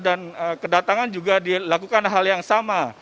dan kedatangan juga dilakukan hal yang sama